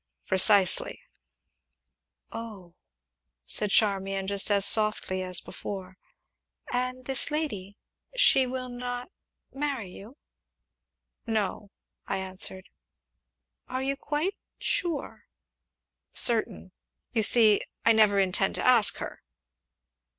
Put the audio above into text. "Precisely!" "Oh!" said Charmian, just as softly as before, "and this lady she will not marry you?" "No," I answered. "Are you quite sure?" "Certain! you see, I never intend to ask her."